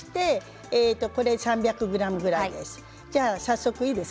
３００ｇぐらいです。